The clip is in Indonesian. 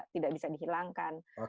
tidak bisa dihilangkan